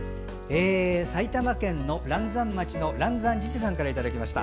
埼玉県の嵐山町の嵐山ＪＩＪＩさんからいただきました。